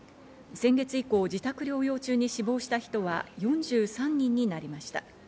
先月以降、自宅療養中に死亡した人は、４３人になりました。